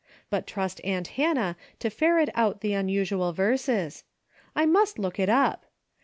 But trust aunt Hannah to ferret out the unusual verses. I must look it up.